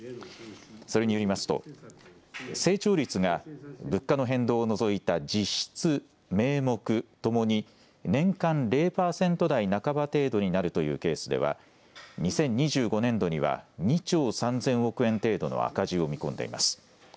それによりますと成長率が物価の変動を除いた実質名目ともに年間０％台半ば程度になるというケースでは２０２５年度には２兆３０００億円程度の赤字を見込んでいます。